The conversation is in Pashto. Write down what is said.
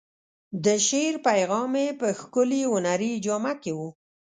د شعر پیغام یې په ښکلې هنري جامه کې و.